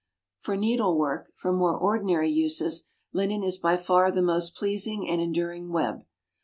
For needlework for more ordinary uses, linen is by far the most pleasing and enduring web.